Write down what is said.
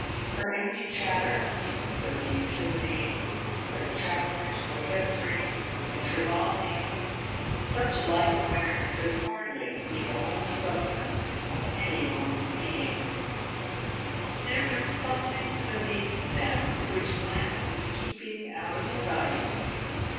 Her empty chatter, her futility, her childish coquetry and frivolity such light wares could hardly be the whole substance of any woman's being; there was something beneath them which Blanche was keeping out of sight.